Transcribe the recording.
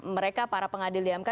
mereka para pengadil di mk